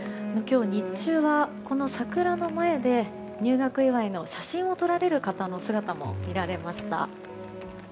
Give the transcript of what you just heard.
今日日中は、この桜の前で入学祝いの写真を撮られる方の姿も見られました。